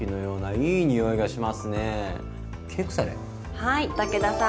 はい武田さん。